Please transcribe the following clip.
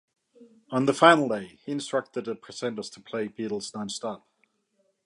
On the final day, he instructed the presenters to play Beatles non-stop.